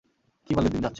কি বালের দিন যাচ্ছে!